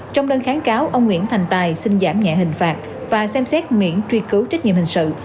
trong đơn kháng cáo ông nguyễn thành tài xin giảm nhẹ hình phạt và xem xét miễn truy cứu trách nhiệm hình sự